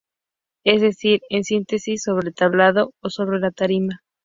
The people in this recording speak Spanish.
Es decir, en síntesis sobre el tablado o sobre la tarima.